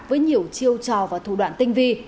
với nhiều chiêu trò và thủ đoạn tinh vi